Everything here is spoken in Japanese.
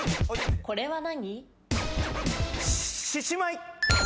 これは何？